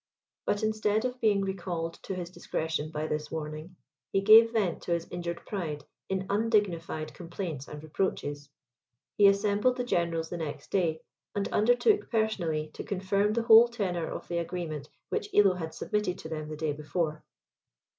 But instead of being recalled to his discretion by this warning, he gave vent to his injured pride in undignified complaints and reproaches. He assembled the generals the next day, and undertook personally to confirm the whole tenor of the agreement which Illo had submitted to them the day before.